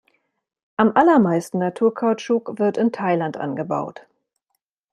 Am allermeisten Naturkautschuk wird in Thailand angebaut.